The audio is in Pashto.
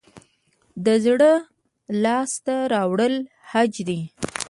زړه لاس ته راوړل حج دی